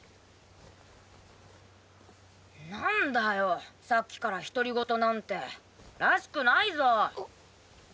なんだよさっきから独り言なんてらしくないぞ。